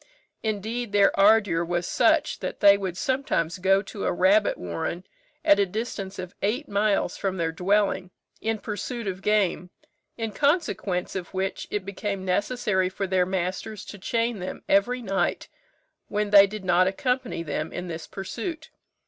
Indeed, their ardour was such, that they would sometimes go to a rabbit warren, at a distance of eight miles from their dwelling, in pursuit of game; in consequence of which it became necessary for their masters to chain them every night when they did not accompany them in this pursuit.